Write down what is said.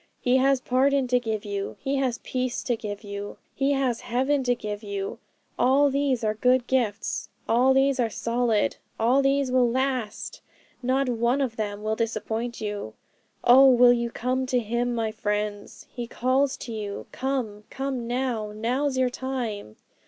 He has pardon to give you, He has peace to give you, He has heaven to give you. All these are good gifts, all these are solid, all these will last, not one of them will disappoint you. 'Oh, will you come to Him, my friends? He calls to you "Come! come now!" Now's your time!